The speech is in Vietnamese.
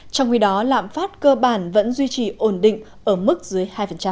trong khi đó lạm phát cơ bản vẫn duy trì ổn định ở mức dưới hai